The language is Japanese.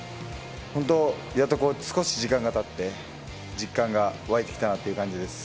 本当、やっと少し時間がたって、実感が湧いてきたなっていう感じです。